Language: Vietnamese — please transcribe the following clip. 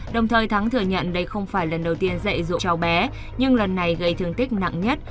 đồng thời thắng thừa nhận đây không phải lần đầu tiên dạy dụ cháu bé nhưng lần này gây thương tích nặng nhất